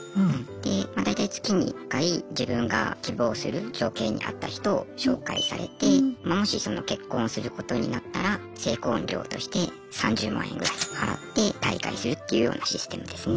まあ大体月に１回自分が希望する条件に合った人を紹介されてまもし結婚することになったら成婚料として３０万円ぐらい払って退会するっていうようなシステムですね。